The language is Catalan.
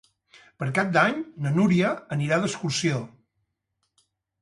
Per Cap d'Any na Núria anirà d'excursió.